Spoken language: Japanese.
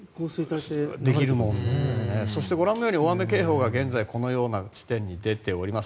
そして、ご覧のように大雨警報が現在、このような地点に出ております。